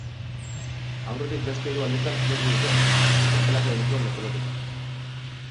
Aurretik beste hiru alditan atxilotu dute, bestelako delituak leporatuta.